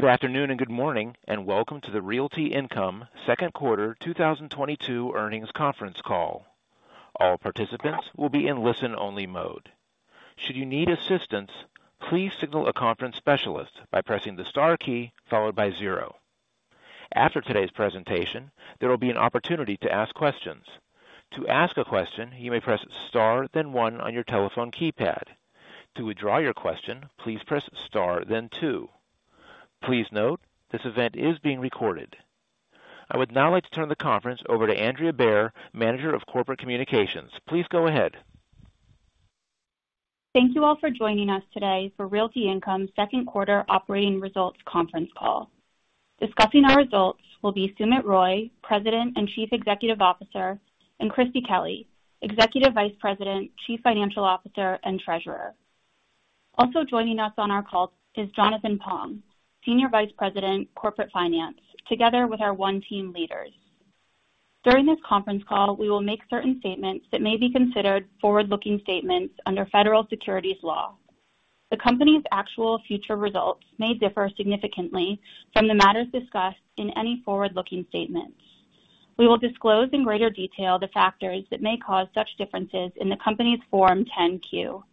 Good afternoon and good morning, and welcome to the Realty Income second quarter 2022 earnings conference call. All participants will be in listen-only mode. Should you need assistance, please signal a conference specialist by pressing the star key followed by zero. After today's presentation, there will be an opportunity to ask questions. To ask a question, you may press star then one on your telephone keypad. To withdraw your question, please press star then two. Please note, this event is being recorded. I would now like to turn the conference over to Andrea Bayer, Manager of Corporate Communications. Please go ahead. Thank you all for joining us today for Realty Income second quarter operating results conference call. Discussing our results will be Sumit Roy, President and Chief Executive Officer, and Christie Kelly, Executive Vice President, Chief Financial Officer, and Treasurer. Also joining us on our call is Jonathan Pong, Senior Vice President Corporate Finance, together with our one team leaders. During this conference call, we will make certain statements that may be considered forward-looking statements under federal securities laws. The company's actual future results may differ significantly from the matters discussed in any forward-looking statements. We will disclose in greater detail the factors that may cause such differences in the company's Form 10-Q.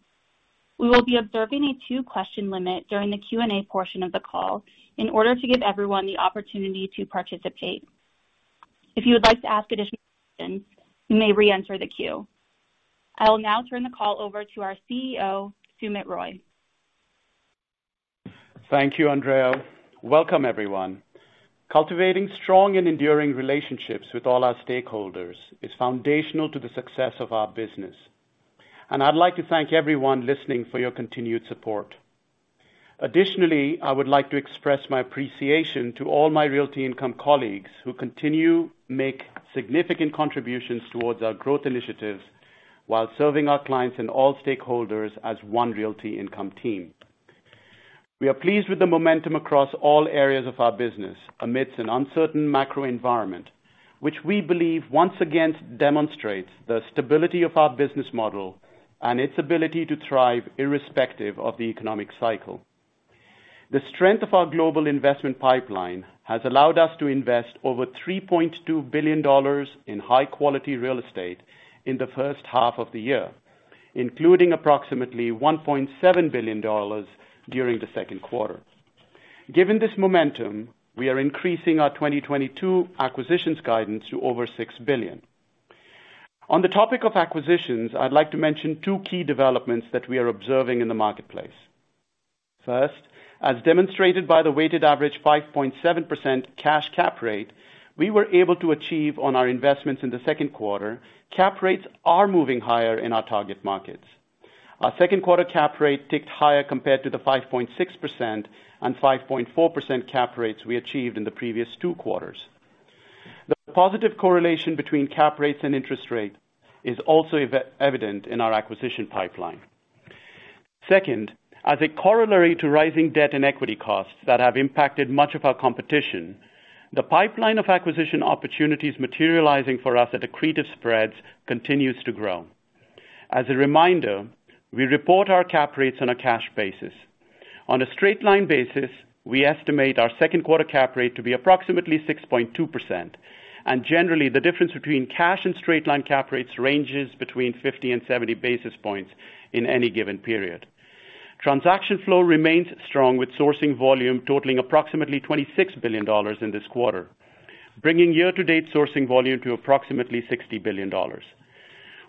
We will be observing a two-question limit during the Q&A portion of the call in order to give everyone the opportunity to participate. If you would like to ask additional questions, you may re-enter the queue. I will now turn the call over to our CEO, Sumit Roy. Thank you, Andrea. Welcome, everyone. Cultivating strong and enduring relationships with all our stakeholders is foundational to the success of our business, and I'd like to thank everyone listening for your continued support. Additionally, I would like to express my appreciation to all my Realty Income colleagues who continue to make significant contributions towards our growth initiatives while serving our clients and all stakeholders as one Realty Income team. We are pleased with the momentum across all areas of our business amidst an uncertain macro environment, which we believe once again demonstrates the stability of our business model and its ability to thrive irrespective of the economic cycle. The strength of our global investment pipeline has allowed us to invest over $3.2 billion in high quality real estate in the first half of the year, including approximately $1.7 billion during the second quarter. Given this momentum, we are increasing our 2022 acquisitions guidance to over $6 billion. On the topic of acquisitions, I'd like to mention two key developments that we are observing in the marketplace. First, as demonstrated by the weighted average 5.7% cash cap rate, we were able to achieve on our investments in the second quarter. Cap rates are moving higher in our target markets. Our second quarter cap rate ticked higher compared to the 5.6% and 5.4% cap rates we achieved in the previous two quarters. The positive correlation between cap rates and interest rate is also evident in our acquisition pipeline. Second, as a corollary to rising debt and equity costs that have impacted much of our competition, the pipeline of acquisition opportunities materializing for us at accretive spreads continues to grow. As a reminder, we report our cap rates on a cash basis. On a straight-line basis, we estimate our second quarter cap rate to be approximately 6.2%, and generally the difference between cash and straight line cap rates ranges between 50 and 70 basis points in any given period. Transaction flow remains strong with sourcing volume totaling approximately $26 billion in this quarter, bringing year to date sourcing volume to approximately $60 billion.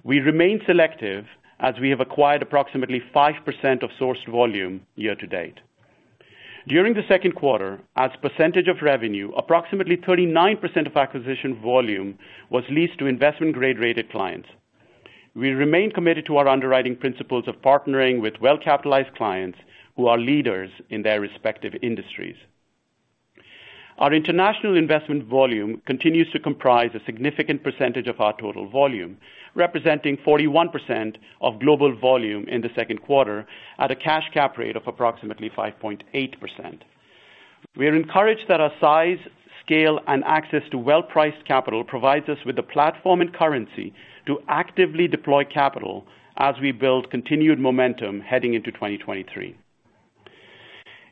We remain selective as we have acquired approximately 5% of sourced volume year to date. During the second quarter, as percentage of revenue, approximately 39% of acquisition volume was leased to investment grade rated clients. We remain committed to our underwriting principles of partnering with well-capitalized clients who are leaders in their respective industries. Our international investment volume continues to comprise a significant percentage of our total volume, representing 41% of global volume in the second quarter at a cash cap rate of approximately 5.8%. We are encouraged that our size, scale, and access to well-priced capital provides us with the platform and currency to actively deploy capital as we build continued momentum heading into 2023.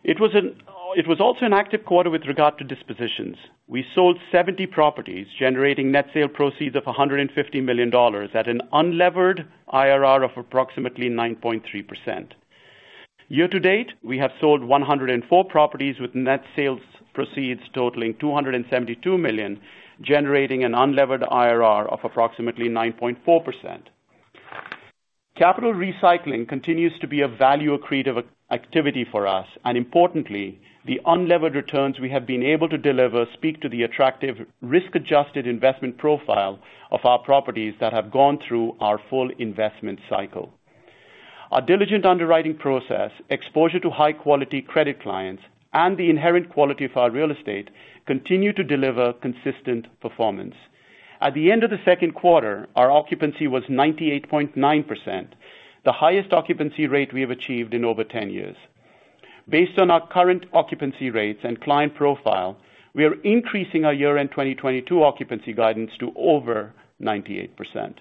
It was also an active quarter with regard to dispositions. We sold 70 properties, generating net sale proceeds of $150 million at an unlevered IRR of approximately 9.3%. Year to date, we have sold 104 properties with net sales proceeds totaling $272 million, generating an unlevered IRR of approximately 9.4%. Capital recycling continues to be a value accretive activity for us, and importantly, the unlevered returns we have been able to deliver speak to the attractive risk-adjusted investment profile of our properties that have gone through our full investment cycle. Our diligent underwriting process, exposure to high quality credit clients, and the inherent quality of our real estate continue to deliver consistent performance. At the end of the second quarter, our occupancy was 98.9%, the highest occupancy rate we have achieved in over 10 years. Based on our current occupancy rates and client profile, we are increasing our year-end 2022 occupancy guidance to over 98%.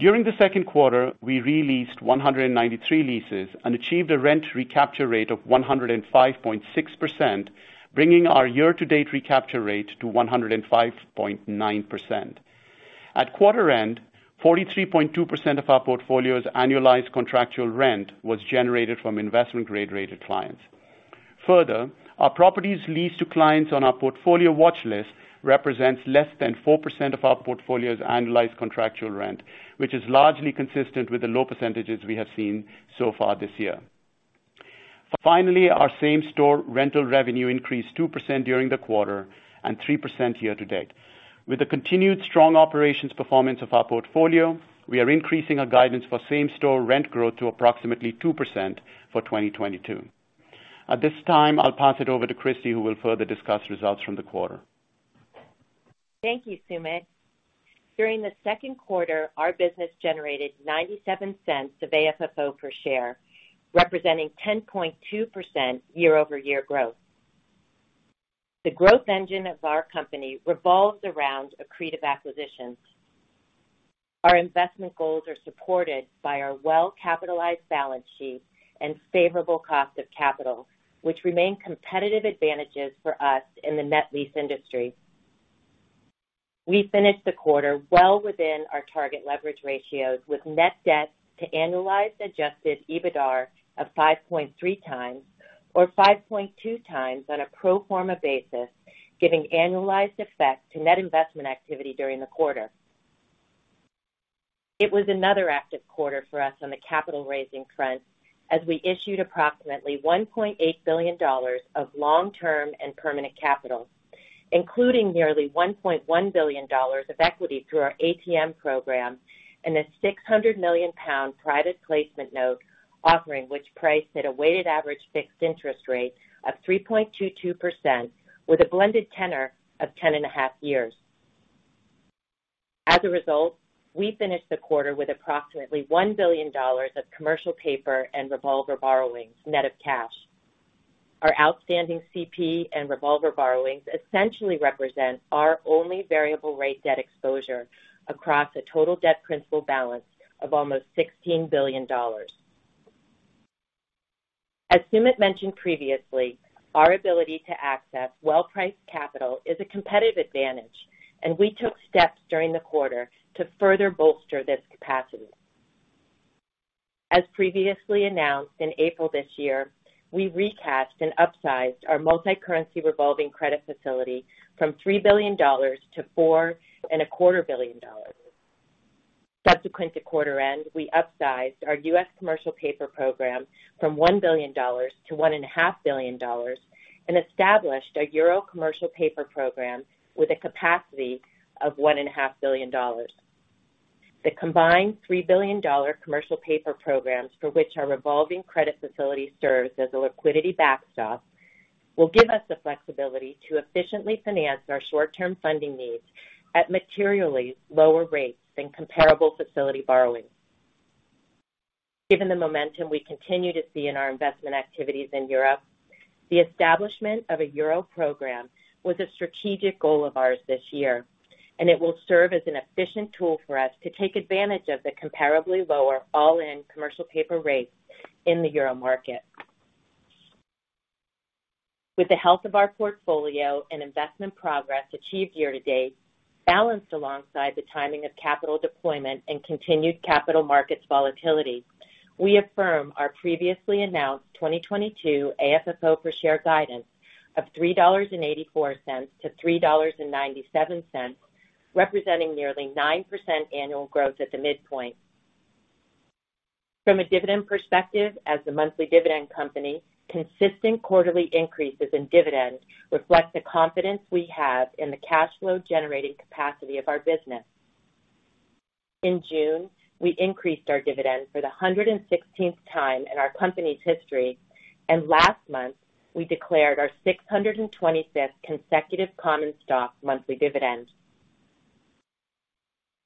During the second quarter, we re-leased 193 leases and achieved a rent recapture rate of 105.6%, bringing our year-to-date recapture rate to 105.9%. At quarter end, 43.2% of our portfolio's annualized contractual rent was generated from investment grade rated clients. Further, our properties leased to clients on our portfolio watch list represents less than 4% of our portfolio's annualized contractual rent, which is largely consistent with the low percentages we have seen so far this year. Finally, our same-store rental revenue increased 2% during the quarter and 3% year-to-date. With the continued strong operations performance of our portfolio, we are increasing our guidance for same-store rent growth to approximately 2% for 2022. At this time, I'll pass it over to Christie, who will further discuss results from the quarter. Thank you, Sumit. During the second quarter, our business generated $0.97 of AFFO per share, representing 10.2% year-over-year growth. The growth engine of our company revolves around accretive acquisitions. Our investment goals are supported by our well-capitalized balance sheet and favorable cost of capital, which remain competitive advantages for us in the net lease industry. We finished the quarter well within our target leverage ratios with net debt to annualized adjusted EBITDAR of 5.3x or 5.2x on a pro forma basis, giving annualized effect to net investment activity during the quarter. It was another active quarter for us on the capital raising front as we issued approximately $1.8 billion of long-term and permanent capital, including nearly $1.1 billion of equity through our ATM program and a 600 million pound private placement note offering which priced at a weighted average fixed interest rate of 3.22% with a blended tenor of 10.5 years. As a result, we finished the quarter with approximately $1 billion of commercial paper and revolver borrowings net of cash. Our outstanding CP and revolver borrowings essentially represent our only variable rate debt exposure across a total debt principal balance of almost $16 billion. As Sumit mentioned previously, our ability to access well-priced capital is a competitive advantage, and we took steps during the quarter to further bolster this capacity. As previously announced in April this year, we recast and upsized our multicurrency revolving credit facility from $3 billion to $4.25 billion. Subsequent to quarter end, we upsized our U.S. commercial paper program from $1 billion to $1.5 billion and established a Euro commercial paper program with a capacity of $1.5 billion. The combined $3 billion commercial paper programs for which our revolving credit facility serves as a liquidity backstop will give us the flexibility to efficiently finance our short-term funding needs at materially lower rates than comparable facility borrowings. Given the momentum we continue to see in our investment activities in Europe, the establishment of a euro program was a strategic goal of ours this year, and it will serve as an efficient tool for us to take advantage of the comparably lower all-in commercial paper rates in the euro market. With the health of our portfolio and investment progress achieved year-to-date balanced alongside the timing of capital deployment and continued capital markets volatility, we affirm our previously announced 2022 AFFO per share guidance of $3.84-$3.97, representing nearly 9% annual growth at the midpoint. From a dividend perspective, as a monthly dividend company, consistent quarterly increases in dividends reflect the confidence we have in the cash flow generating capacity of our business. In June, we increased our dividend for the 116th time in our company's history, and last month, we declared our 625th consecutive common stock monthly dividend.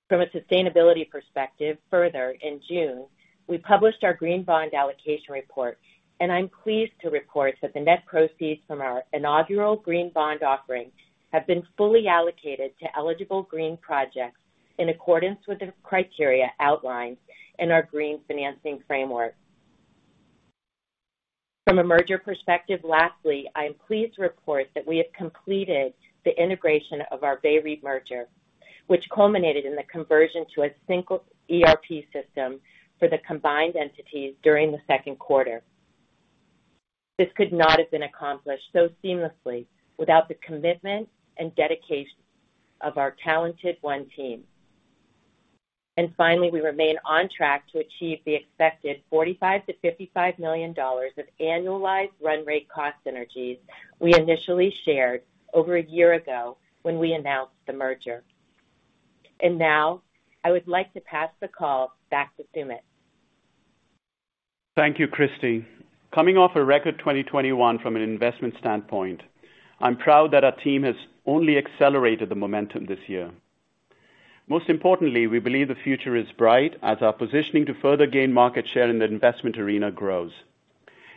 From a sustainability perspective, further, in June, we published our green bond allocation report, and I'm pleased to report that the net proceeds from our inaugural green bond offering have been fully allocated to eligible green projects in accordance with the criteria outlined in our green financing framework. From a merger perspective, lastly, I am pleased to report that we have completed the integration of our VEREIT merger, which culminated in the conversion to a single ERP system for the combined entities during the second quarter. This could not have been accomplished so seamlessly without the commitment and dedication of our talented one team. Finally, we remain on track to achieve the expected $45 million-$55 million of annualized run rate cost synergies we initially shared over a year ago when we announced the merger. Now, I would like to pass the call back to Sumit. Thank you, Christie. Coming off a record 2021 from an investment standpoint, I'm proud that our team has only accelerated the momentum this year. Most importantly, we believe the future is bright as our positioning to further gain market share in the investment arena grows.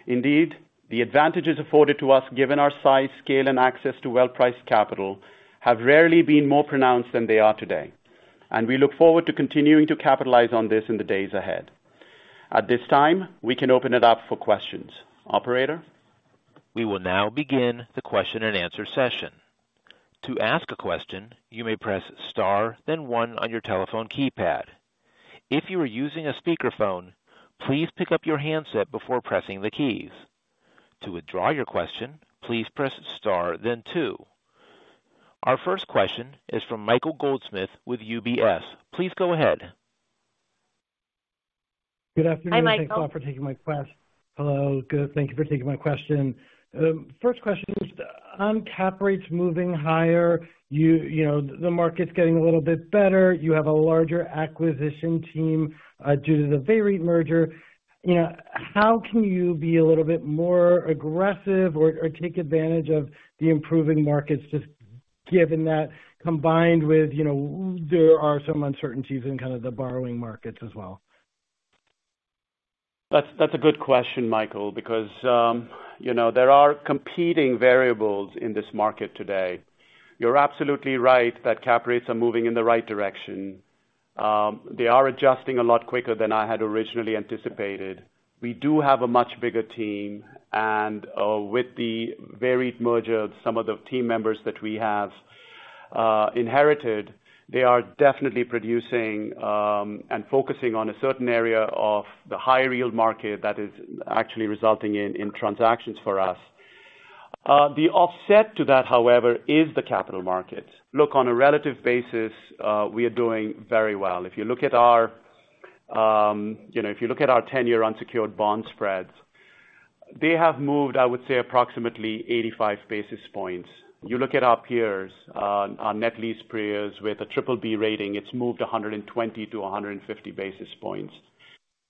Indeed, the advantages afforded to us given our size, scale, and access to well-priced capital have rarely been more pronounced than they are today, and we look forward to continuing to capitalize on this in the days ahead. At this time, we can open it up for questions. Operator? We will now begin the question-and-answer session. To ask a question, you may press star, then one on your telephone keypad. If you are using a speakerphone, please pick up your handset before pressing the keys. To withdraw your question, please press star then two. Our first question is from Michael Goldsmith with UBS. Please go ahead. Good afternoon. Hi, Michael. Thank you for taking my question. First question is on cap rates moving higher, you know, the market's getting a little bit better. You have a larger acquisition team, due to the VEREIT merger. You know, how can you be a little bit more aggressive or take advantage of the improving markets, just given that combined with, you know, there are some uncertainties in kind of the borrowing markets as well? That's a good question, Michael, because you know, there are competing variables in this market today. You're absolutely right that cap rates are moving in the right direction. They are adjusting a lot quicker than I had originally anticipated. We do have a much bigger team and with the VEREIT merger, some of the team members that we have inherited, they are definitely producing and focusing on a certain area of the high yield market that is actually resulting in transactions for us. The offset to that, however, is the capital markets. Look, on a relative basis, we are doing very well. If you look at our 10-year unsecured bond spreads, they have moved, I would say, approximately 85 basis points. You look at our peers, our net lease peers with a triple B rating, it's moved 120-150 basis points.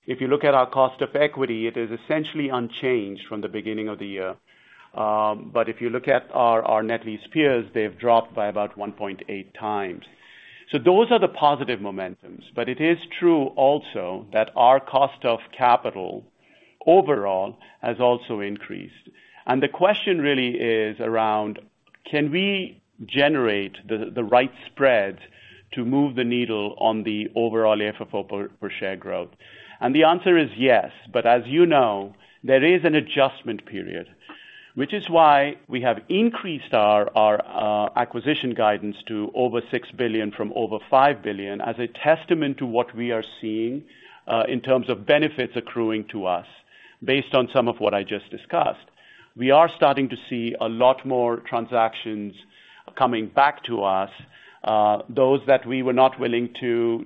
If you look at our cost of equity, it is essentially unchanged from the beginning of the year. But if you look at our net lease peers, they've dropped by about 1.8 times. So those are the positive momentums. But it is true also that our cost of capital overall has also increased. The question really is around can we generate the right spreads to move the needle on the overall AFFO per share growth? The answer is yes. As you know, there is an adjustment period, which is why we have increased our acquisition guidance to over $6 billion from over $5 billion as a testament to what we are seeing in terms of benefits accruing to us based on some of what I just discussed. We are starting to see a lot more transactions coming back to us. Those that we were not willing to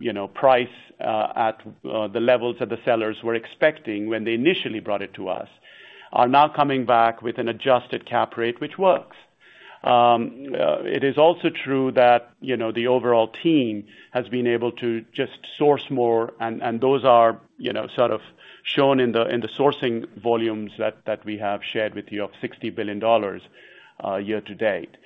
you know price at the levels that the sellers were expecting when they initially brought it to us are now coming back with an adjusted cap rate, which works. It is also true that, you know, the overall team has been able to just source more, and those are, you know, sort of shown in the sourcing volumes that we have shared with you of $60 billion year to date.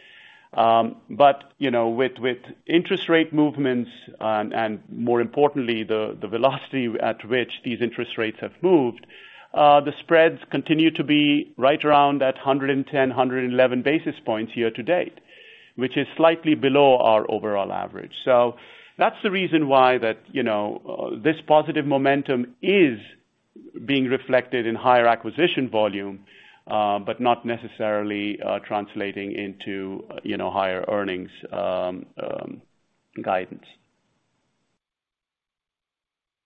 You know, with interest rate movements, and more importantly, the velocity at which these interest rates have moved, the spreads continue to be right around that 110-111 basis points year to date, which is slightly below our overall average. That's the reason why that, you know, this positive momentum is being reflected in higher acquisition volume, but not necessarily translating into, you know, higher earnings guidance.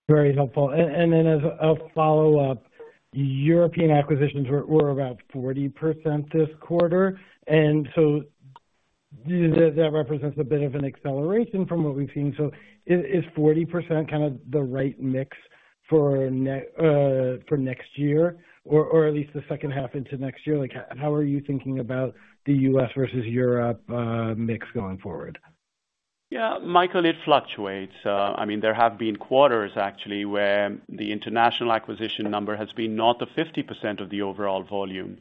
Very helpful. Then as a follow-up, European acquisitions were about 40% this quarter, and that represents a bit of an acceleration from what we've seen. Is 40% kind of the right mix for next year or at least the second half into next year? Like how are you thinking about the U.S. versus Europe mix going forward? Yeah, Michael, it fluctuates. I mean, there have been quarters actually where the international acquisition number has been north of 50% of the overall volume.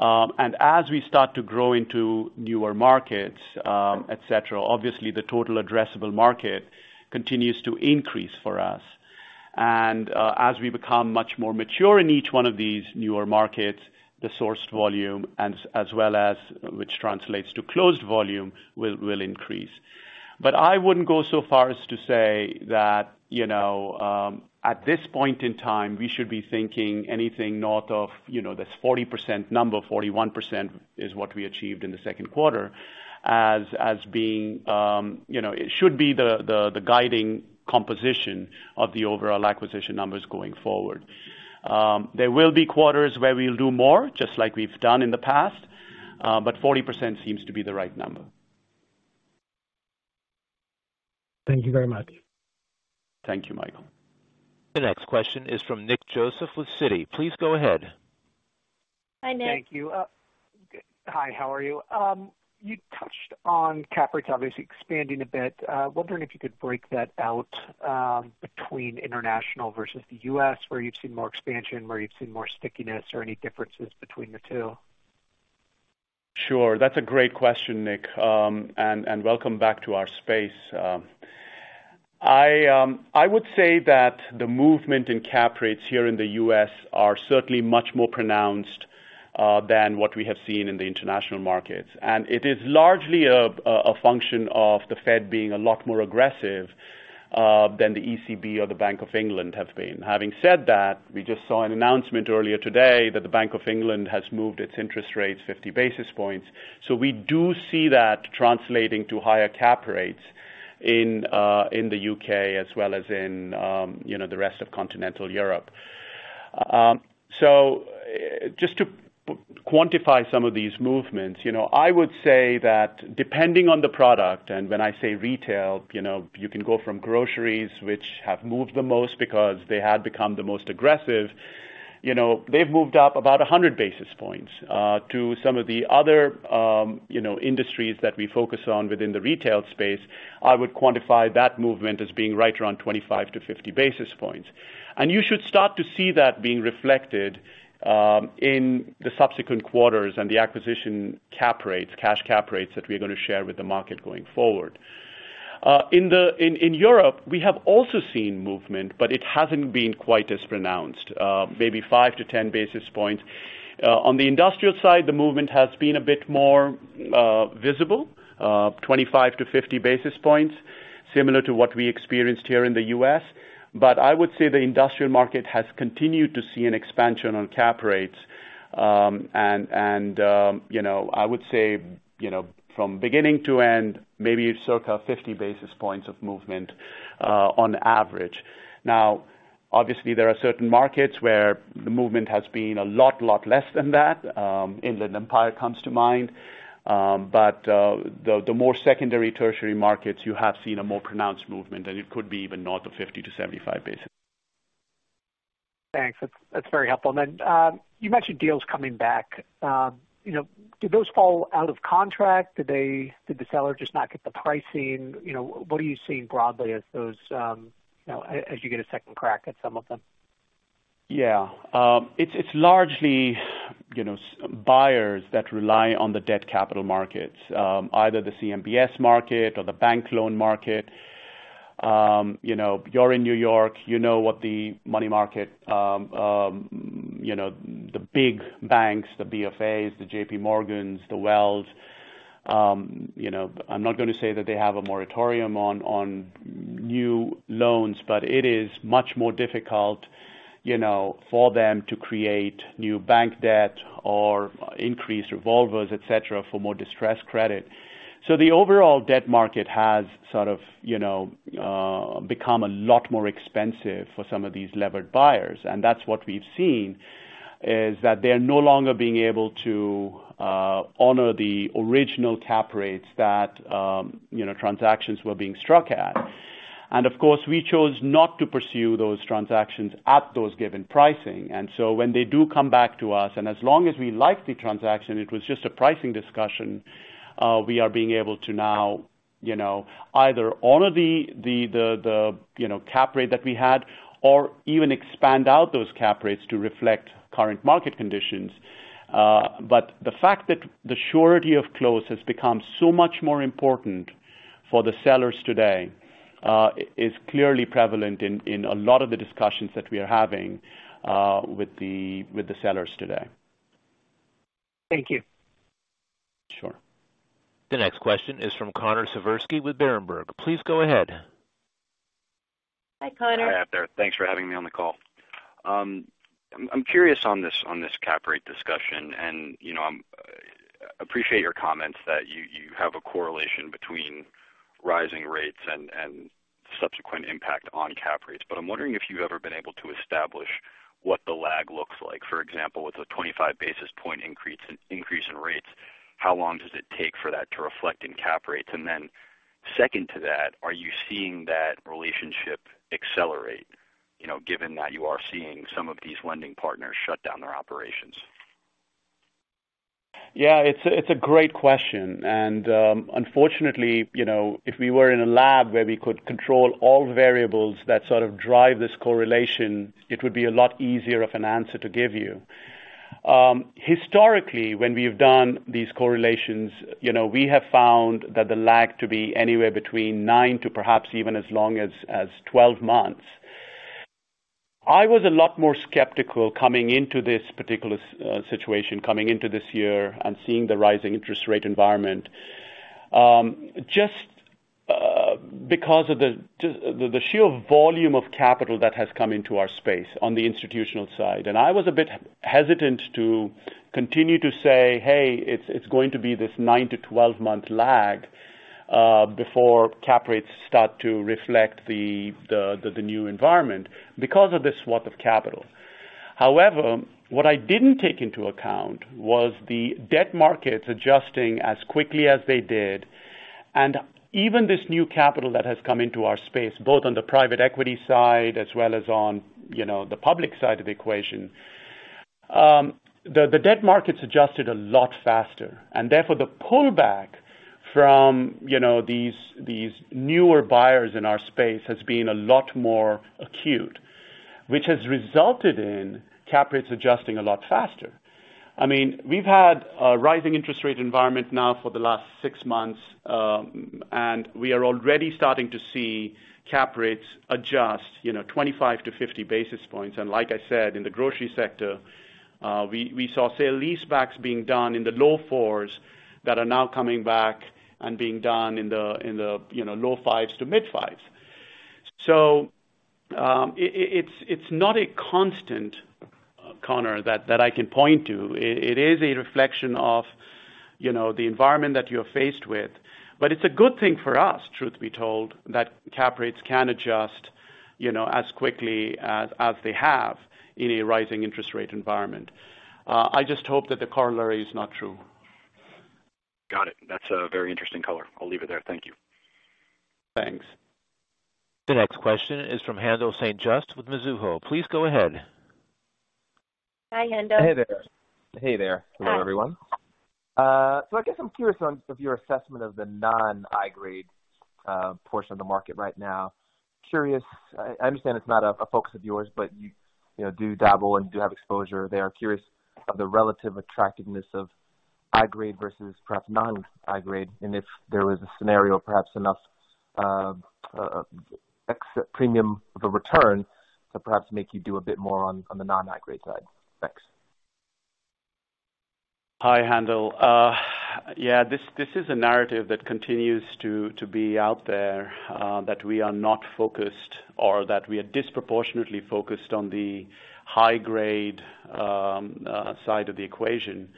As we start to grow into newer markets, et cetera, obviously the total addressable market continues to increase for us. As we become much more mature in each one of these newer markets, the sourced volume and as well as which translates to closed volume will increase. But I wouldn't go so far as to say that, you know, at this point in time, we should be thinking anything north of, you know, this 40% number. 41% is what we achieved in the second quarter as being the guiding composition of the overall acquisition numbers going forward. There will be quarters where we'll do more, just like we've done in the past, but 40% seems to be the right number. Thank you very much. Thank you, Michael. The next question is from Nick Joseph with Citi. Please go ahead. Hi, Nick. Thank you. Hi, how are you? You touched on cap rates obviously expanding a bit. Wondering if you could break that out between international versus the U.S., where you've seen more expansion, where you've seen more stickiness or any differences between the two. Sure. That's a great question, Nick, and welcome back to our space. I would say that the movement in cap rates here in the U.S. are certainly much more pronounced than what we have seen in the international markets. It is largely a function of the Fed being a lot more aggressive than the ECB or the Bank of England have been. Having said that, we just saw an announcement earlier today that the Bank of England has moved its interest rates 50 basis points. We do see that translating to higher cap rates in the U.K. as well as in you know, the rest of continental Europe. Just to quantify some of these movements, you know, I would say that depending on the product, and when I say retail, you know, you can go from groceries, which have moved the most because they had become the most aggressive. You know, they've moved up about 100 basis points to some of the other, you know, industries that we focus on within the retail space. I would quantify that movement as being right around 25-50 basis points. You should start to see that being reflected in the subsequent quarters and the acquisition cap rates, cash cap rates that we're gonna share with the market going forward. In Europe, we have also seen movement, but it hasn't been quite as pronounced, maybe 5-10 basis points. On the industrial side, the movement has been a bit more visible, 25-50 basis points, similar to what we experienced here in the U.S. I would say the industrial market has continued to see an expansion on cap rates, and you know, I would say, you know, from beginning to end, maybe circa 50 basis points of movement, on average. Now, obviously, there are certain markets where the movement has been a lot less than that. Inland Empire comes to mind. The more secondary, tertiary markets, you have seen a more pronounced movement, and it could be even north of 50-75 basis points. Thanks. That's very helpful. You mentioned deals coming back. You know, do those fall out of contract? Did the seller just not get the pricing? You know, what are you seeing broadly as those, you know, as you get a second crack at some of them? Yeah. It's largely, you know, buyers that rely on the debt capital markets, either the CMBS market or the bank loan market. You know, you're in New York, you know what the money market, you know, the big banks, the BofAs, the JPMorgans, the Wells. You know, I'm not gonna say that they have a moratorium on new loans, but it is much more difficult, you know, for them to create new bank debt or increase revolvers, et cetera, for more distressed credit. The overall debt market has sort of, you know, become a lot more expensive for some of these levered buyers. That's what we've seen is that they are no longer being able to honor the original cap rates that, you know, transactions were being struck at. Of course, we chose not to pursue those transactions at those given pricing. When they do come back to us, and as long as we like the transaction, it was just a pricing discussion, we are being able to now, you know, either honor the, you know, cap rate that we had or even expand out those cap rates to reflect current market conditions. The fact that the surety of close has become so much more important for the sellers today is clearly prevalent in a lot of the discussions that we are having with the sellers today. Thank you. Sure. The next question is from Connor Siversky with Berenberg. Please go ahead. Hi, Connor. Hi out there. Thanks for having me on the call. I'm curious on this cap rate discussion. You know, appreciate your comments that you have a correlation between rising rates and subsequent impact on cap rates. I'm wondering if you've ever been able to establish what the lag looks like. For example, with a 25 basis point increase in rates, how long does it take for that to reflect in cap rates? Second to that, are you seeing that relationship accelerate, you know, given that you are seeing some of these lending partners shut down their operations? Yeah, it's a great question. Unfortunately, you know, if we were in a lab where we could control all variables that sort of drive this correlation, it would be a lot easier of an answer to give you. Historically, when we've done these correlations, you know, we have found that the lag to be anywhere between nine to perhaps even as long as 12 months. I was a lot more skeptical coming into this particular situation, coming into this year and seeing the rising interest rate environment, just because of the sheer volume of capital that has come into our space on the institutional side. I was a bit hesitant to continue to say, "Hey, it's going to be this nine to 12-month lag before cap rates start to reflect the new environment because of the flow of capital." However, what I didn't take into account was the debt markets adjusting as quickly as they did. Even this new capital that has come into our space, both on the private equity side as well as on, you know, the public side of the equation, the debt markets adjusted a lot faster, and therefore the pullback from, you know, these newer buyers in our space has been a lot more acute, which has resulted in cap rates adjusting a lot faster. I mean, we've had a rising interest rate environment now for the last six months, and we are already starting to see cap rates adjust, you know, 25-50 basis points. Like I said, in the grocery sector, we saw sale-leasebacks being done in the low fours that are now coming back and being done in the low fives to mid-fives. It's not a constant, Connor, that I can point to. It is a reflection of, you know, the environment that you're faced with. It's a good thing for us, truth be told, that cap rates can adjust, you know, as quickly as they have in a rising interest rate environment. I just hope that the corollary is not true. Got it. That's a very interesting color. I'll leave it there. Thank you. Thanks. The next question is from Haendel St. Juste with Mizuho. Please go ahead. Hi, Haendel. Hey there. Hi. Hello, everyone. I guess I'm curious on your assessment of the non-high grade portion of the market right now. I understand it's not a focus of yours, but you know, do dabble and do have exposure there. Curious of the relative attractiveness of high grade versus perhaps non-high grade, and if there was a scenario perhaps enough extra premium of a return to perhaps make you do a bit more on the non-high grade side. Thanks. Hi, Haendel. Yeah, this is a narrative that continues to be out there that we are not focused or that we are disproportionately focused on the high grade side of the equation.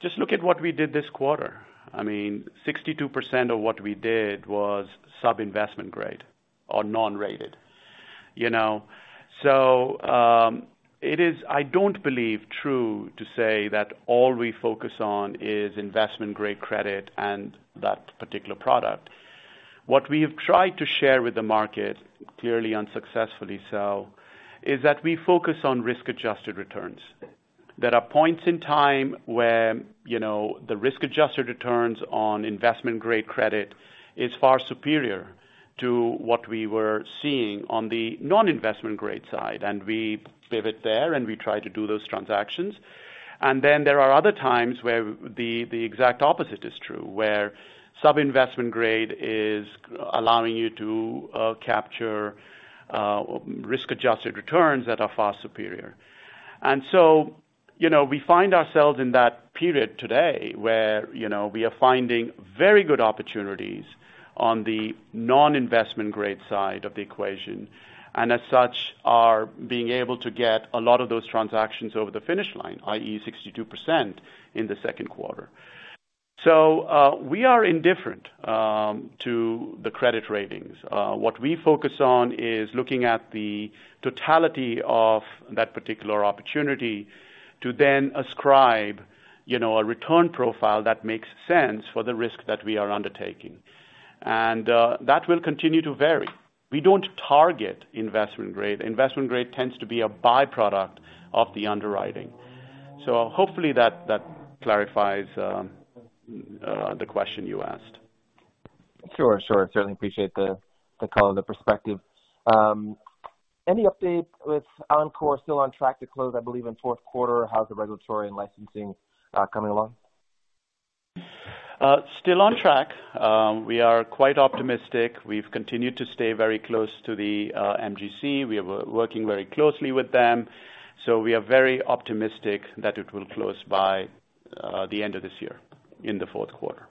Just look at what we did this quarter. I mean, 62% of what we did was sub-investment grade or non-rated, you know? It is, I don't believe, true to say that all we focus on is investment grade credit and that particular product. What we have tried to share with the market, clearly unsuccessfully so, is that we focus on risk-adjusted returns. There are points in time where, you know, the risk-adjusted returns on investment-grade credit is far superior to what we were seeing on the non-investment grade side, and we pivot there, and we try to do those transactions. Then there are other times where the exact opposite is true, where sub-investment grade is allowing you to capture risk-adjusted returns that are far superior. We find ourselves in that period today where, you know, we are finding very good opportunities on the non-investment grade side of the equation, and as such are being able to get a lot of those transactions over the finish line, i.e., 62% in the second quarter. We are indifferent to the credit ratings. What we focus on is looking at the totality of that particular opportunity to then ascribe, you know, a return profile that makes sense for the risk that we are undertaking. That will continue to vary. We don't target investment grade. Investment grade tends to be a by-product of the underwriting. Hopefully that clarifies the question you asked. Sure, sure. Certainly appreciate the color, the perspective. Any update with Encore still on track to close, I believe, in fourth quarter? How's the regulatory and licensing coming along? Still on track. We are quite optimistic. We've continued to stay very close to the MGC. We are working very closely with them, so we are very optimistic that it will close by the end of this year in the fourth quarter.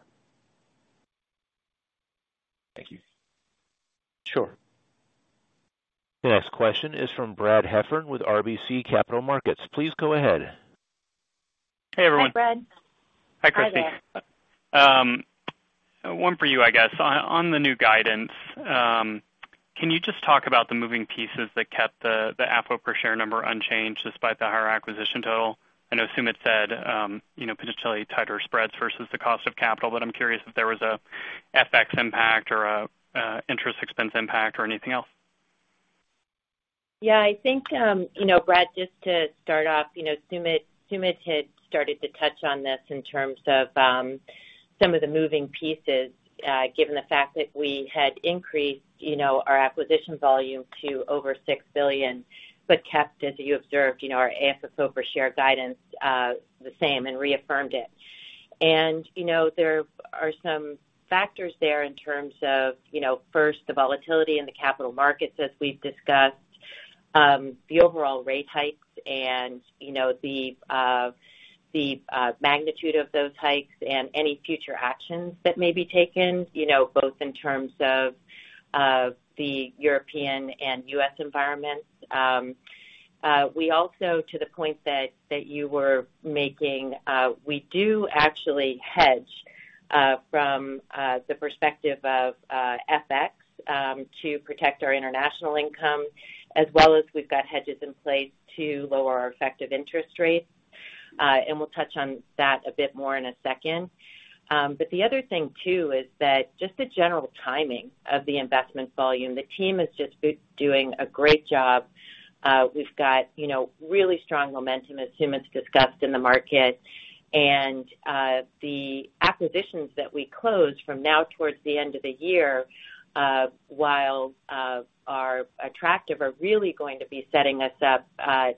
Thank you. Sure. The next question is from Brad Heffern with RBC Capital Markets. Please go ahead. Hey, everyone. Hi, Brad. Hi, Christie. Hi there. One for you, I guess. On the new guidance, can you just talk about the moving pieces that kept the AFFO per share number unchanged despite the higher acquisition total? I know Sumit said, you know, potentially tighter spreads versus the cost of capital, but I'm curious if there was a FX impact or a interest expense impact or anything else. Yeah. I think you know, Brad, just to start off, you know, Sumit had started to touch on this in terms of some of the moving pieces, given the fact that we had increased you know, our acquisition volume to over $6 billion, but kept, as you observed, you know, our AFFO per share guidance the same and reaffirmed it. You know, there are some factors there in terms of you know, first, the volatility in the capital markets, as we've discussed, the overall rate hikes and you know, the magnitude of those hikes and any future actions that may be taken, you know, both in terms of the European and U.S. environments. We also, to the point that you were making, we do actually hedge from the perspective of FX to protect our international income, as well as we've got hedges in place to lower our effective interest rates. We'll touch on that a bit more in a second. The other thing too is that just the general timing of the investment volume. The team is just doing a great job. We've got, you know, really strong momentum, as Sumit's discussed, in the market. The acquisitions that we close from now towards the end of the year, while they are attractive, are really going to be setting us up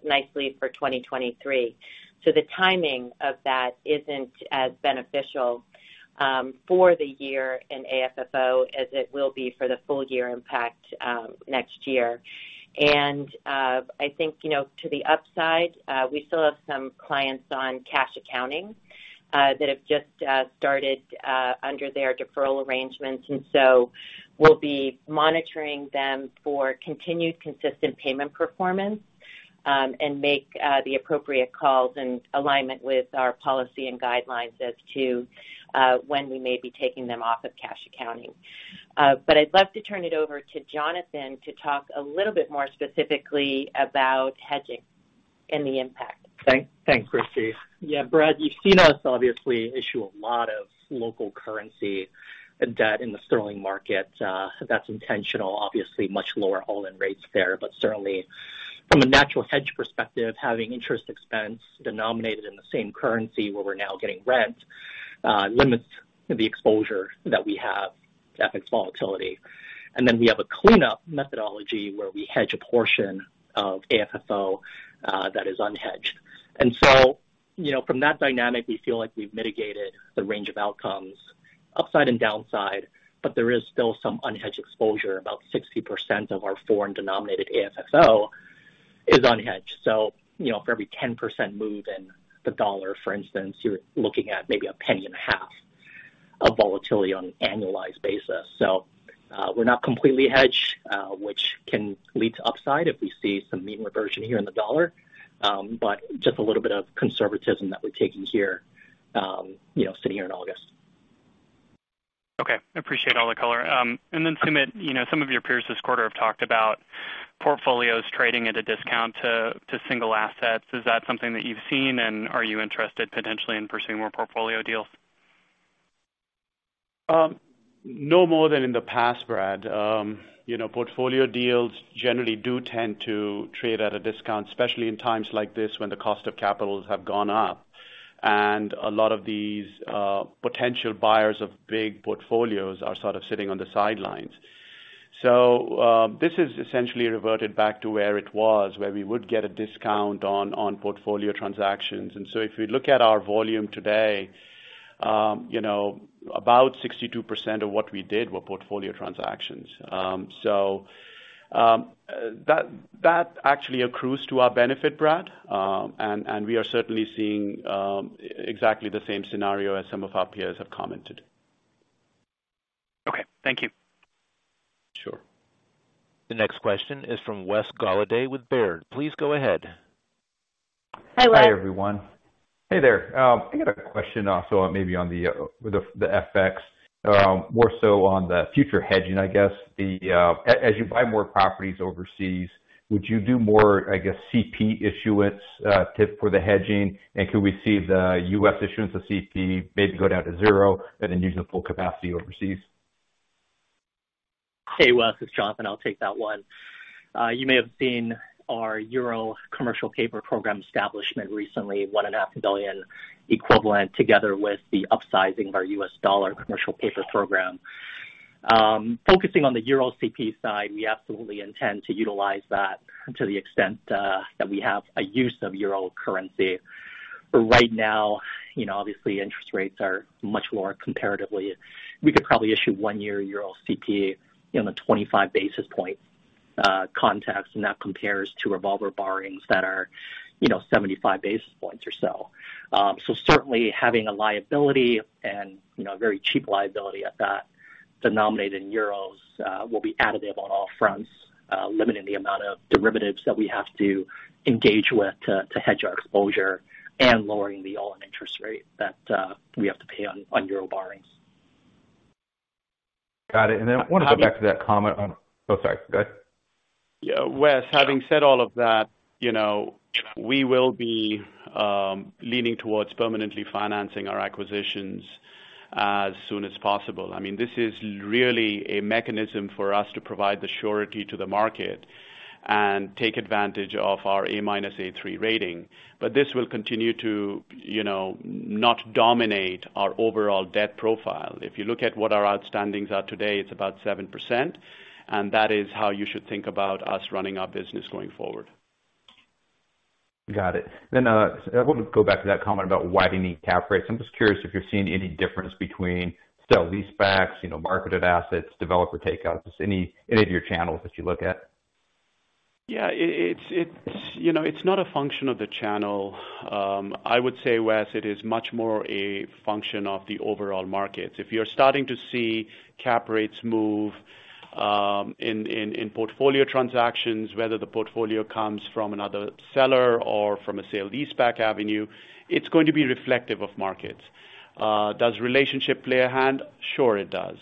nicely for 2023. The timing of that isn't as beneficial for the year in AFFO as it will be for the full year impact next year. I think, you know, to the upside, we still have some clients on cash accounting that have just started under their deferral arrangements. We'll be monitoring them for continued consistent payment performance and make the appropriate calls in alignment with our policy and guidelines as to when we may be taking them off of cash accounting. But I'd love to turn it over to Jonathan to talk a little bit more specifically about hedging and the impact. Thanks, Christie. Yeah, Brad, you've seen us obviously issue a lot of local currency debt in the sterling market. That's intentional. Obviously, much lower all-in rates there. Certainly from a natural hedge perspective, having interest expense denominated in the same currency where we're now getting rent limits the exposure that we have to FX volatility. We have a cleanup methodology where we hedge a portion of AFFO that is unhedged. You know, from that dynamic, we feel like we've mitigated the range of outcomes, upside and downside, but there is still some unhedged exposure. About 60% of our foreign denominated AFFO is unhedged. You know, for every 10% move in the dollar, for instance, you're looking at maybe $0.015 of volatility on an annualized basis. We're not completely hedged, which can lead to upside if we see some mean reversion here in the dollar. Just a little bit of conservatism that we're taking here, you know, sitting here in August. Okay. Appreciate all the color. Sumit, you know, some of your peers this quarter have talked about portfolios trading at a discount to single assets. Is that something that you've seen? Are you interested potentially in pursuing more portfolio deals? No more than in the past, Brad. You know, portfolio deals generally do tend to trade at a discount, especially in times like this when the cost of capital has gone up. A lot of these potential buyers of big portfolios are sort of sitting on the sidelines. This is essentially reverted back to where it was, where we would get a discount on portfolio transactions. If we look at our volume today, you know, about 62% of what we did were portfolio transactions. That actually accrues to our benefit, Brad. We are certainly seeing exactly the same scenario as some of our peers have commented. Okay, thank you. Sure. The next question is from Wesley Golladay with Baird. Please go ahead. Hi, Wes. Hi, everyone. Hey there. I got a question also maybe on the FX, more so on the future hedging, I guess. As you buy more properties overseas, would you do more, I guess, CP issuance for the hedging? Could we see the U.S. issuance of CP maybe go down to zero and then using the full capacity overseas? Hey, Wes, it's Jonathan. I'll take that one. You may have seen our Euro commercial paper program establishment recently, $1.5 billion equivalent, together with the upsizing of our U.S. dollar commercial paper program. Focusing on the Euro CP side, we absolutely intend to utilize that to the extent that we have a use of euro currency. Right now, you know, obviously interest rates are much lower comparatively. We could probably issue one-year Euro CP in a 25 basis point context, and that compares to revolver borrowings that are, you know, 75 basis points or so. Certainly having a liability and, you know, a very cheap liability at that denominated in euros will be additive on all fronts, limiting the amount of derivatives that we have to engage with to hedge our exposure and lowering the all-in interest rate that we have to pay on euro borrowings. Got it. Oh, sorry. Go ahead. Yeah. Wes, having said all of that, you know, we will be leaning towards permanently financing our acquisitions as soon as possible. I mean, this is really a mechanism for us to provide the surety to the market and take advantage of our A-/A3 rating. But this will continue to, you know, not dominate our overall debt profile. If you look at what our outstandings are today, it's about 7%, and that is how you should think about us running our business going forward. Got it. I want to go back to that comment about widening cap rates. I'm just curious if you're seeing any difference between sale-leasebacks, you know, marketed assets, developer takeouts, any of your channels that you look at? Yeah. It's, you know, not a function of the channel. I would say, Wes, it is much more a function of the overall markets. If you're starting to see cap rates move in portfolio transactions, whether the portfolio comes from another seller or from a sale-leaseback avenue, it's going to be reflective of markets. Does relationship play a hand? Sure, it does.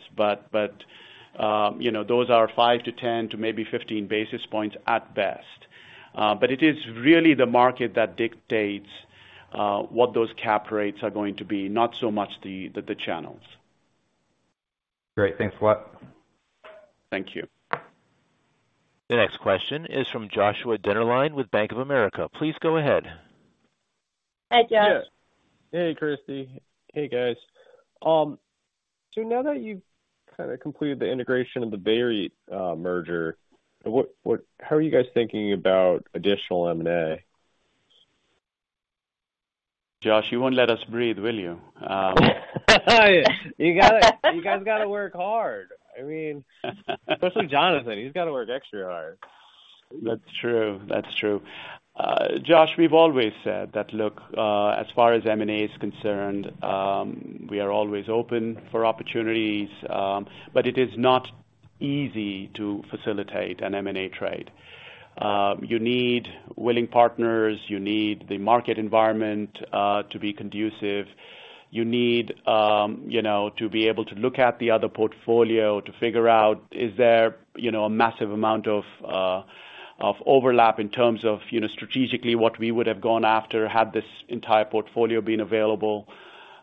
You know, those are 5-10, maybe 15 basis points at best. It is really the market that dictates what those cap rates are going to be, not so much the channels. Great. Thanks a lot. Thank you. The next question is from Joshua Dennerlein with Bank of America. Please go ahead. Hi, Josh. Hey, Christie. Hey, guys. Now that you've kinda completed the integration of the VEREIT merger, how are you guys thinking about additional M&A? Josh, you won't let us breathe, will you? You guys gotta work hard. I mean. Especially Jonathan, he's gotta work extra hard. That's true. Josh, we've always said that, look, as far as M&A is concerned, we are always open for opportunities. It is not easy to facilitate an M&A trade. You need willing partners. You need the market environment to be conducive. You need, you know, to be able to look at the other portfolio to figure out is there, you know, a massive amount of overlap in terms of, you know, strategically what we would have gone after had this entire portfolio been available.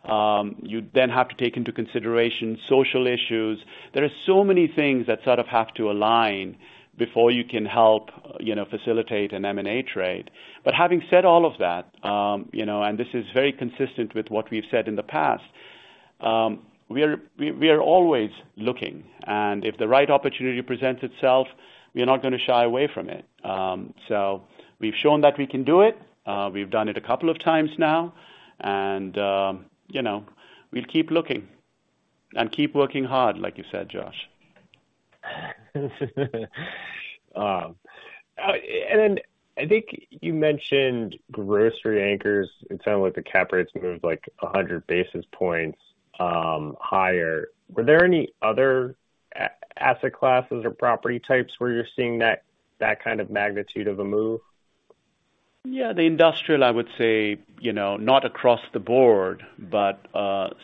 You then have to take into consideration social issues. There are so many things that sort of have to align before you can help, you know, facilitate an M&A trade. Having said all of that, you know, and this is very consistent with what we've said in the past, we are always looking. If the right opportunity presents itself, we are not gonna shy away from it. We've shown that we can do it. We've done it a couple of times now, and, you know, we'll keep looking and keep working hard, like you said, Josh. I think you mentioned grocery anchors. It sounded like the cap rates moved like 100 basis points higher. Were there any other asset classes or property types where you're seeing that kind of magnitude of a move? Yeah, the industrial, I would say, you know, not across the board, but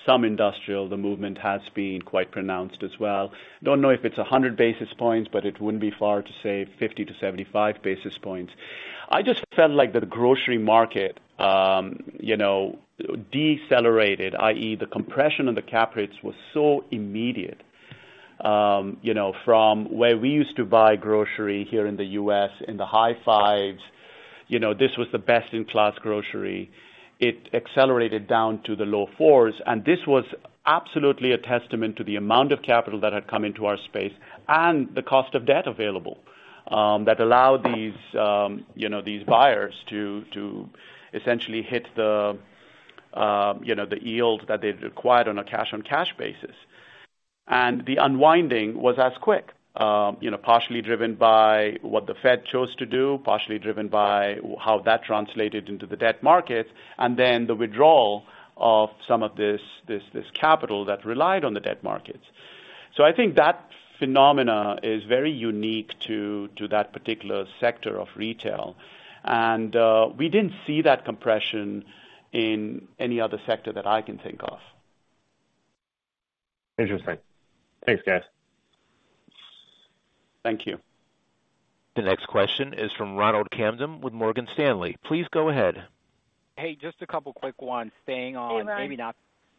some industrial, the movement has been quite pronounced as well. Don't know if it's 100 basis points, but it wouldn't be far to say 50-75 basis points. I just felt like the grocery market, you know, decelerated, i.e., the compression of the cap rates was so immediate. You know, from where we used to buy grocery here in the U.S. in the high 5s, you know, this was the best-in-class grocery. It accelerated down to the low 4s, and this was absolutely a testament to the amount of capital that had come into our space and the cost of debt available, that allowed these, you know, these buyers to essentially hit the, you know, the yield that they required on a cash-on-cash basis. The unwinding was as quick. You know, partially driven by what the Fed chose to do, partially driven by how that translated into the debt markets, and then the withdrawal of some of this capital that relied on the debt markets. I think that phenomena is very unique to that particular sector of retail. We didn't see that compression in any other sector that I can think of. Interesting. Thanks, guys. Thank you. The next question is from Ronald Kamdem with Morgan Stanley. Please go ahead. Hey, just a couple quick ones. Hey, Ron.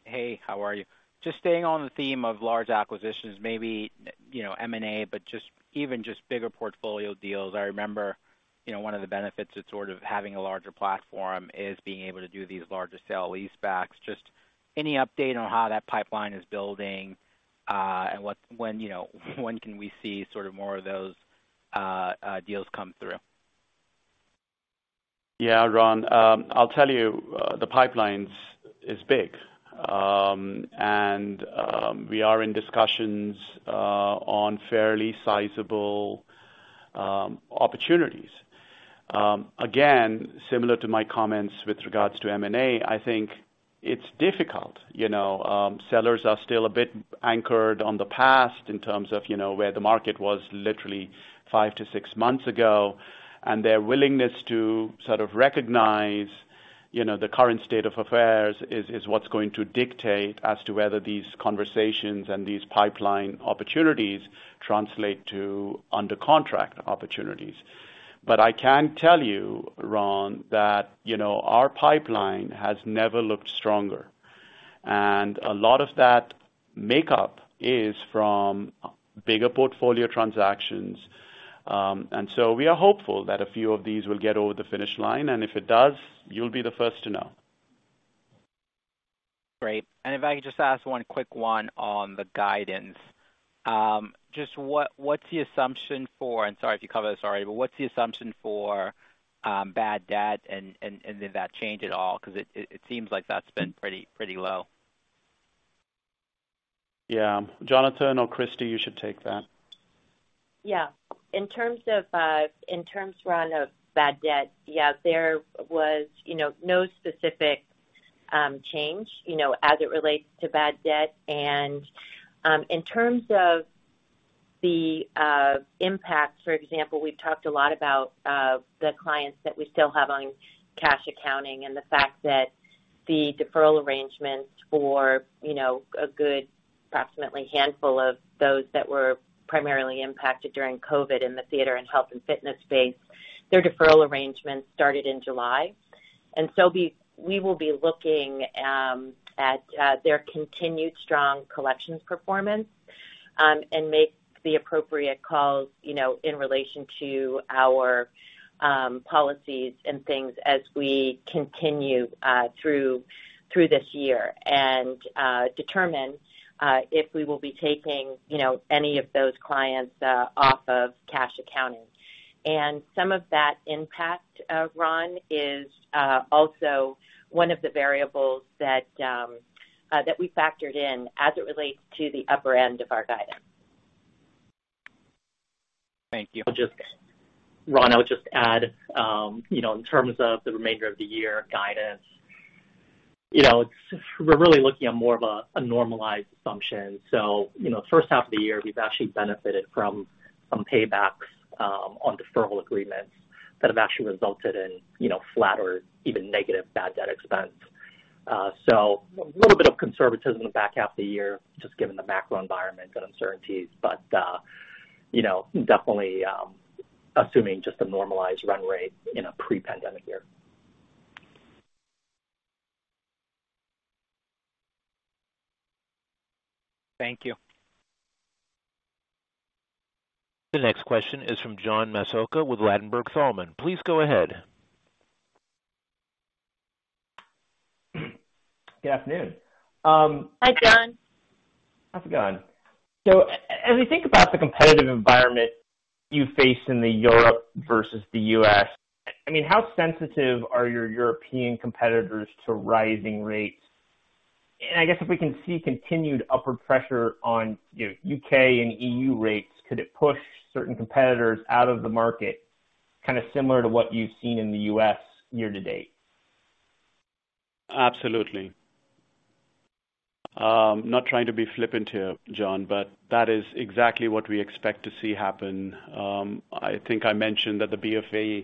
Hey, how are you? Just staying on the theme of large acquisitions, maybe, you know, M&A, but just even just bigger portfolio deals. I remember, you know, one of the benefits of sort of having a larger platform is being able to do these larger sale-leasebacks. Just any update on how that pipeline is building, and what, when, you know, when can we see sort of more of those deals come through? Yeah, Ron, I'll tell you, the pipelines is big. We are in discussions on fairly sizable opportunities. Again, similar to my comments with regards to M&A, I think it's difficult. You know, sellers are still a bit anchored on the past in terms of, you know, where the market was literally five-six months ago. Their willingness to sort of recognize, you know, the current state of affairs is what's going to dictate as to whether these conversations and these pipeline opportunities translate to under contract opportunities. I can tell you, Ron, that, you know, our pipeline has never looked stronger. A lot of that makeup is from bigger portfolio transactions. We are hopeful that a few of these will get over the finish line, and if it does, you'll be the first to know. Great. If I could just ask one quick one on the guidance. Just what's the assumption for... Sorry if you covered this already, but what's the assumption for bad debt and did that change at all? Cause it seems like that's been pretty low. Yeah. Jonathan or Christie, you should take that. Yeah. In terms of, Ronald Kamdem, of bad debt, yeah, there was, you know, no specific change, you know, as it relates to bad debt. In terms of the impact, for example, we've talked a lot about the clients that we still have on cash accounting and the fact that the deferral arrangements for, you know, a good approximately handful of those that were primarily impacted during COVID in the theater and health and fitness space, their deferral arrangements started in July. We will be looking at their continued strong collections performance and make the appropriate calls, you know, in relation to our policies and things as we continue through this year and determine if we will be taking, you know, any of those clients off of cash accounting. Some of that impact, Ron, is also one of the variables that we factored in as it relates to the upper end of our guidance. Thank you. Ron, I'll just add, you know, in terms of the remainder of the year guidance, you know, it's. We're really looking at more of a normalized assumption. You know, first half of the year, we've actually benefited from some paybacks on deferral agreements that have actually resulted in, you know, flat or even negative bad debt expense. A little bit of conservatism in the back half of the year, just given the macro environment and uncertainties. You know, definitely, assuming just a normalized run rate in a pre-pandemic year. Thank you. The next question is from John Massocca with Ladenburg Thalmann. Please go ahead. Good afternoon. Hi, John. How's it going? As we think about the competitive environment you face in Europe versus the U.S., I mean, how sensitive are your European competitors to rising rates? And I guess if we can see continued upward pressure on, you know, U.K. and E.U. rates, could it push certain competitors out of the market, kind of similar to what you've seen in the U.S. year to date? Absolutely. Not trying to be flippant here, John, but that is exactly what we expect to see happen. I think I mentioned that the BOE has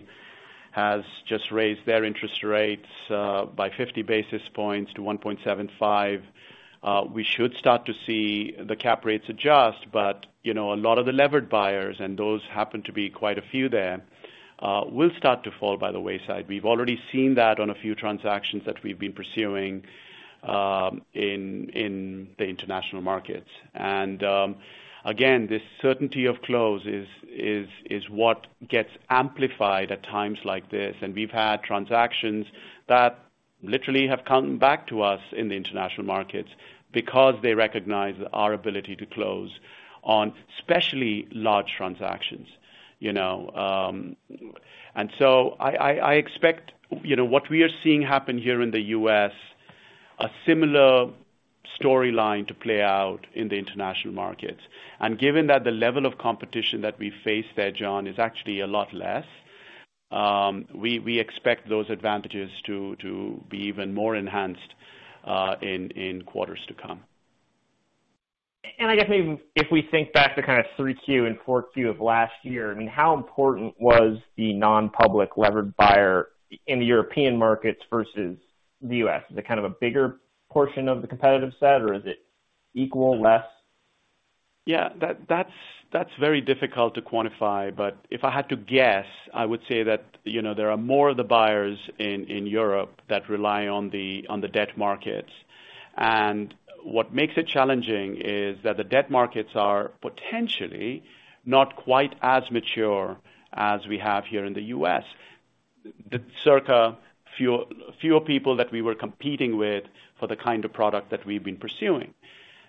just raised their interest rates by 50 basis points to 1.75. We should start to see the cap rates adjust, but, you know, a lot of the levered buyers, and those happen to be quite a few there, will start to fall by the wayside. We've already seen that on a few transactions that we've been pursuing in the international markets. Again, this certainty of close is what gets amplified at times like this. We've had transactions that literally have come back to us in the international markets because they recognize our ability to close on especially large transactions, you know. I expect, you know, what we are seeing happen here in the U.S., a similar storyline to play out in the international markets. Given that the level of competition that we face there, John, is actually a lot less, we expect those advantages to be even more enhanced, in quarters to come. I guess maybe if we think back to kind of 3Q and 4Q of last year, I mean, how important was the non-public levered buyer in the European markets versus the U.S.? Is it kind of a bigger portion of the competitive set, or is it equal, less? Yeah, that's very difficult to quantify. But if I had to guess, I would say that, you know, there are more of the buyers in Europe that rely on the debt markets. What makes it challenging is that the debt markets are potentially not quite as mature as we have here in the U.S. Fewer people that we were competing with for the kind of product that we've been pursuing.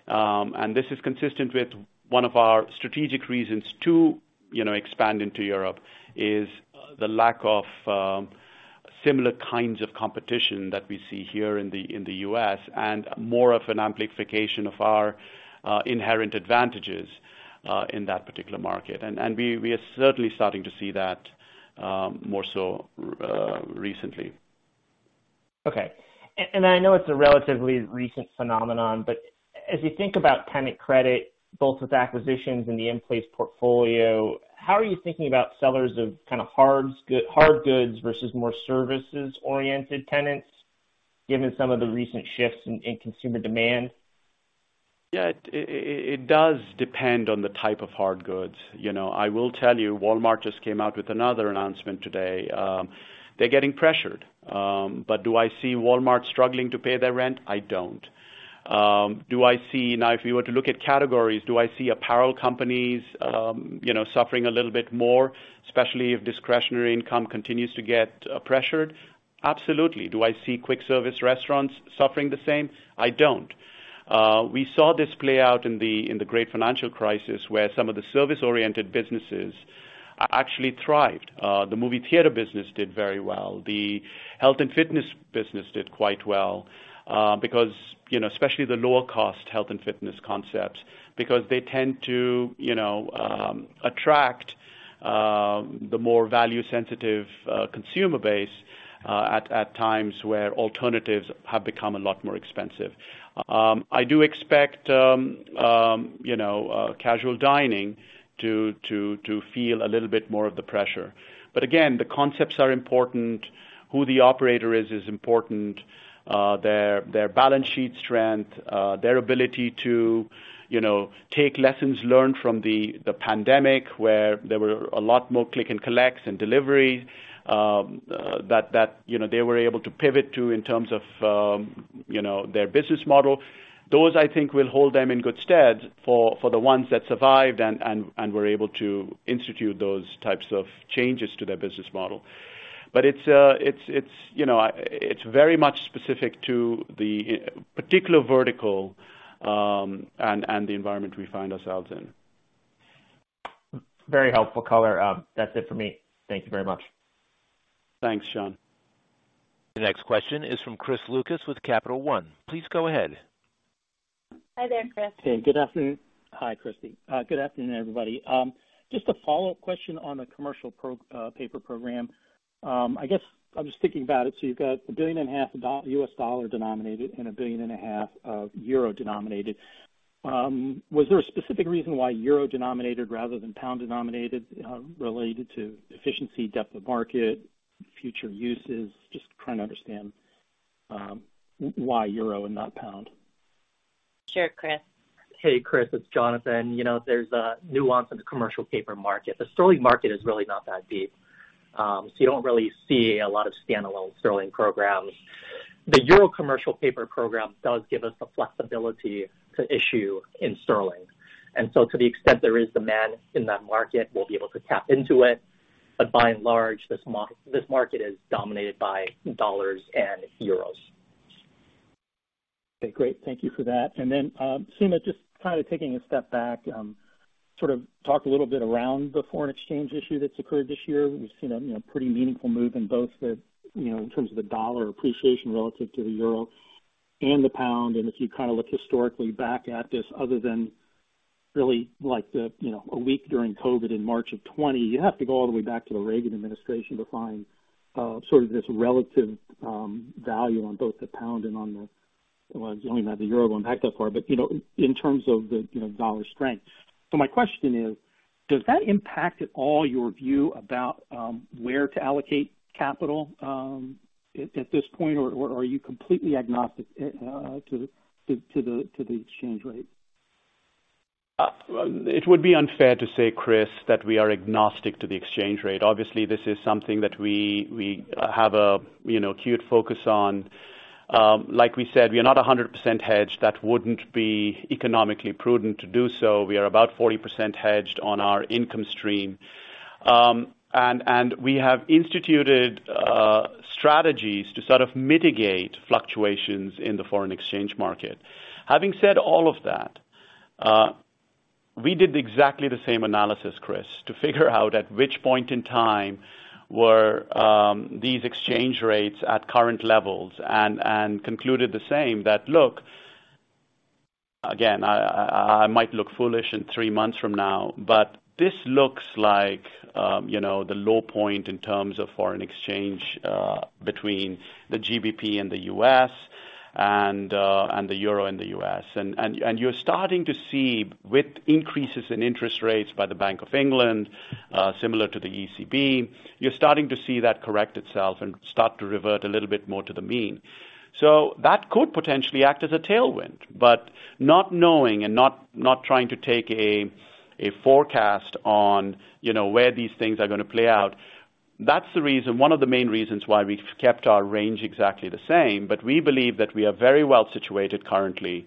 This is consistent with one of our strategic reasons to, you know, expand into Europe: the lack of similar kinds of competition that we see here in the U.S. and more of an amplification of our inherent advantages in that particular market. We are certainly starting to see that more so recently. Okay. I know it's a relatively recent phenomenon, but as you think about tenant credit, both with acquisitions and the in-place portfolio, how are you thinking about sellers of kind of hard goods versus more services-oriented tenants, given some of the recent shifts in consumer demand? It does depend on the type of hard goods. You know, I will tell you, Walmart just came out with another announcement today. They're getting pressured. Do I see Walmart struggling to pay their rent? I don't. Do I see now, if you were to look at categories, do I see apparel companies, you know, suffering a little bit more, especially if discretionary income continues to get pressured? Absolutely. Do I see quick service restaurants suffering the same? I don't. We saw this play out in the great financial crisis, where some of the service-oriented businesses actually thrived. The movie theater business did very well. The health and fitness business did quite well, because, you know, especially the lower cost health and fitness concepts, because they tend to, you know, attract the more value sensitive consumer base at times where alternatives have become a lot more expensive. I do expect, you know, casual dining to feel a little bit more of the pressure. But again, the concepts are important. Who the operator is is important. Their balance sheet strength, their ability to, you know, take lessons learned from the pandemic, where there were a lot more click and collects and delivery, that, you know, they were able to pivot to in terms of, you know, their business model. Those, I think will hold them in good stead for the ones that survived and were able to institute those types of changes to their business model. It's, you know, very much specific to the particular vertical, and the environment we find ourselves in. Very helpful color. That's it for me. Thank you very much. Thanks, John. The next question is from Chris Lucas with Capital One. Please go ahead. Hi there, Chris. Hey, good afternoon. Hi, Christie. Good afternoon, everybody. Just a follow-up question on the commercial paper program. I guess I'm just thinking about it. You've got 1.5 billion U.S. dollar-denominated and 1.5 billion euro-denominated. Was there a specific reason why euro-denominated rather than pound-denominated, related to efficiency, depth of market, future uses? Just trying to understand, why euro and not pound. Sure, Chris. Hey, Chris, it's Jonathan. You know, there's a nuance in the commercial paper market. The sterling market is really not that deep, so you don't really see a lot of standalone sterling programs. The Euro commercial paper program does give us the flexibility to issue in sterling, and so to the extent there is demand in that market, we'll be able to tap into it. By and large, this market is dominated by dollars and euros. Okay, great. Thank you for that. Sumit, just kind of taking a step back, sort of talk a little bit around the foreign exchange issue that's occurred this year. We've seen a you know pretty meaningful move in both the you know in terms of the U.S. dollar appreciation relative to the euro and the pound. If you kind of look historically back at this, other than really like the you know a week during COVID in March of 2020, you have to go all the way back to the Reagan administration to find sort of this relative value on both the pound and on the euro going back that far, but you know in terms of the you know U.S. dollar strength. My question is, does that impact at all your view about where to allocate capital at this point, or are you completely agnostic to the exchange rate? It would be unfair to say, Chris, that we are agnostic to the exchange rate. Obviously, this is something that we have a, you know, acute focus on. Like we said, we are not 100% hedged. That wouldn't be economically prudent to do so. We are about 40% hedged on our income stream. And we have instituted strategies to sort of mitigate fluctuations in the foreign exchange market. Having said all of that, we did exactly the same analysis, Chris, to figure out at which point in time were these exchange rates at current levels and concluded the same that, look, again, I might look foolish in three months from now, but this looks like, you know, the low point in terms of foreign exchange, between the GBP and the U.S. and the euro and the U.S. You're starting to see with increases in interest rates by the Bank of England, similar to the ECB, you're starting to see that correct itself and start to revert a little bit more to the mean. That could potentially act as a tailwind, but not knowing and not trying to take a forecast on, you know, where these things are gonna play out, that's the reason, one of the main reasons why we've kept our range exactly the same. We believe that we are very well situated currently.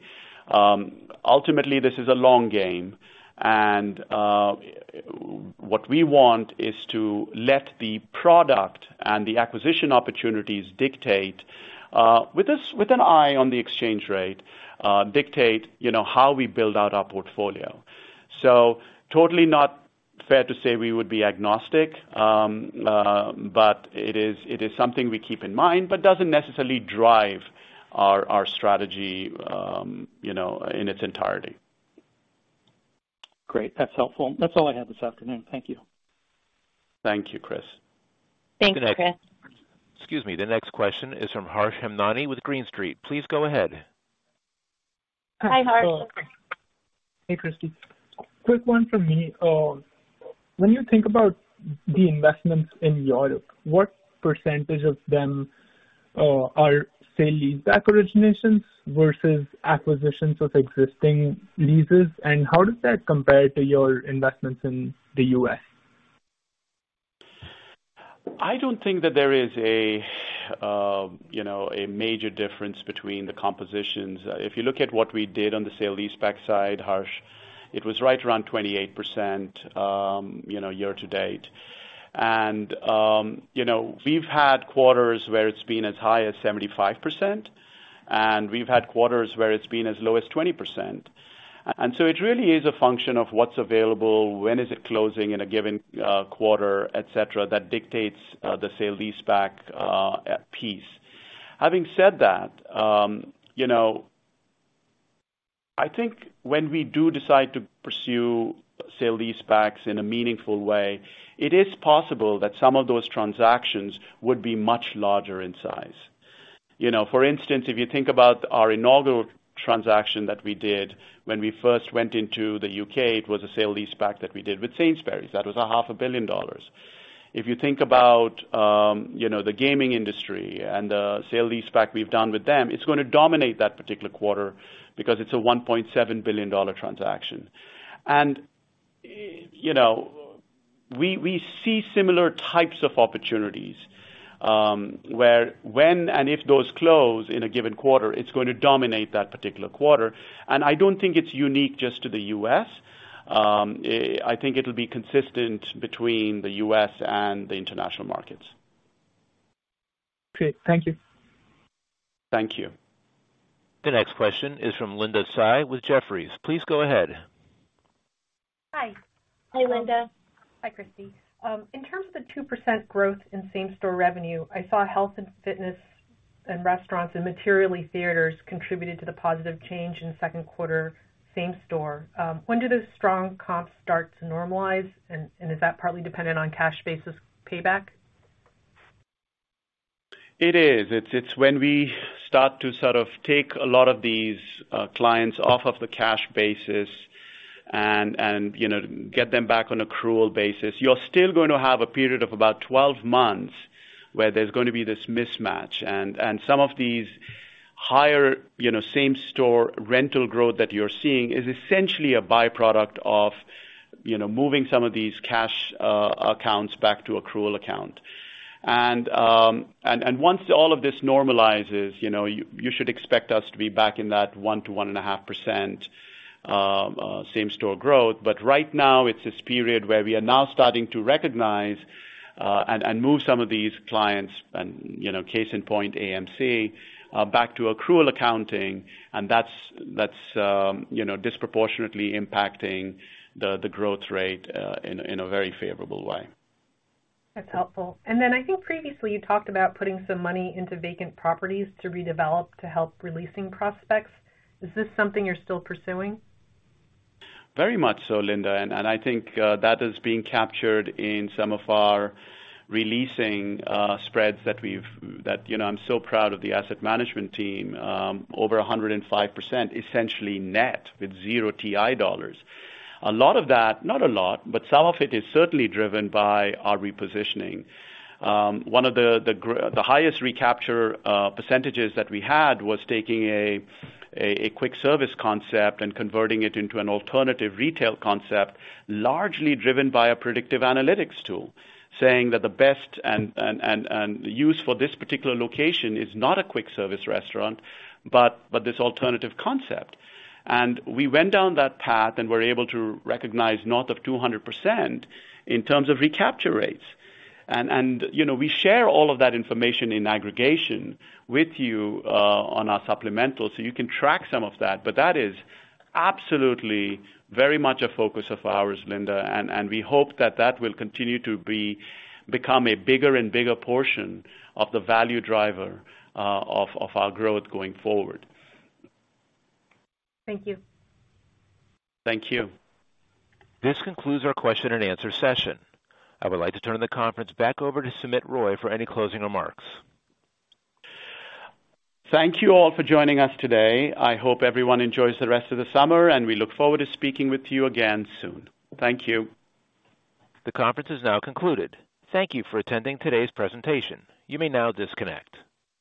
Ultimately, this is a long game and what we want is to let the product and the acquisition opportunities dictate with an eye on the exchange rate dictate, you know, how we build out our portfolio. Totally not fair to say we would be agnostic. But it is something we keep in mind but doesn't necessarily drive our strategy, you know, in its entirety. Great. That's helpful. That's all I have this afternoon. Thank you. Thank you, Chris. Thanks, Chris. Excuse me. The next question is from Harsh Hemnani with Green Street. Please go ahead. Hi, Harsh. Hey, Christie. Quick one from me. When you think about the investments in Europe, what percentage of them are sale and leaseback originations versus acquisitions of existing leases, and how does that compare to your investments in the U.S.? I don't think that there is a you know a major difference between the compositions. If you look at what we did on the sale-leaseback side, Harsh, it was right around 28%, you know, year to date. You know, we've had quarters where it's been as high as 75%, and we've had quarters where it's been as low as 20%. It really is a function of what's available, when is it closing in a given quarter, et cetera, that dictates the sale-leaseback piece. Having said that, you know, I think when we do decide to pursue sale-leasebacks in a meaningful way, it is possible that some of those transactions would be much larger in size. You know, for instance, if you think about our inaugural transaction that we did when we first went into the U.K., it was a sale-leaseback that we did with Sainsbury's. That was half a billion dollars. If you think about, you know, the gaming industry and the sale-leaseback we've done with them, it's gonna dominate that particular quarter because it's a $1.7 billion transaction. You know, we see similar types of opportunities, where, when and if those close in a given quarter, it's going to dominate that particular quarter. I don't think it's unique just to the U.S. I think it'll be consistent between the U.S. and the international markets. Great. Thank you. Thank you. The next question is from Linda Tsai with Jefferies. Please go ahead. Hi. Hi, Linda. Hi, Christie. In terms of the 2% growth in same-store revenue, I saw health and fitness and restaurants and materially theaters contributed to the positive change in second-quarter same-store. When do those strong comps start to normalize? Is that partly dependent on cash basis payback? It is. It's when we start to sort of take a lot of these clients off of the cash basis and, you know, get them back on accrual basis. You're still going to have a period of about 12 months where there's gonna be this mismatch. Some of these higher, you know, same store rental growth that you're seeing is essentially a by-product of, you know, moving some of these cash accounts back to accrual account. Once all of this normalizes, you know, you should expect us to be back in that 1%-1.5% same store growth. Right now, it's this period where we are now starting to recognize and move some of these clients and, you know, case in point, AMC, back to accrual accounting, and that's disproportionately impacting the growth rate in a very favorable way. That's helpful. I think previously you talked about putting some money into vacant properties to redevelop to help releasing prospects. Is this something you're still pursuing? Very much so, Linda. I think that is being captured in some of our releasing spreads that we've. You know, I'm so proud of the asset management team over 105% essentially net with zero TI dollars. A lot of that, not a lot, but some of it is certainly driven by our repositioning. One of the highest recapture percentages that we had was taking a quick service concept and converting it into an alternative retail concept, largely driven by a predictive analytics tool saying that the best and use for this particular location is not a quick service restaurant, but this alternative concept. We went down that path and were able to recognize north of 200% in terms of recapture rates. You know, we share all of that information in aggregate with you on our supplemental, so you can track some of that. That is absolutely very much a focus of ours, Linda, we hope that will continue to become a bigger and bigger portion of the value driver of our growth going forward. Thank you. Thank you. This concludes our question and answer session. I would like to turn the conference back over to Sumit Roy for any closing remarks. Thank you all for joining us today. I hope everyone enjoys the rest of the summer, and we look forward to speaking with you again soon. Thank you. The conference is now concluded. Thank you for attending today's presentation. You may now disconnect.